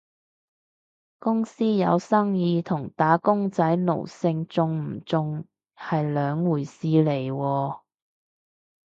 公司有生意同打工仔奴性重唔重係兩回事嚟喎